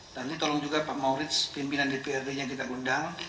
nanti tolong juga pak maurid pimpinan dprd nya kita undang